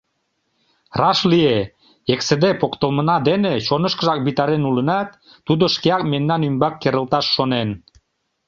Раш лие: эксыде поктылмына дене чонышкыжак витарен улынат, тудо шкеак мемнан ӱмбак керылташ шонен.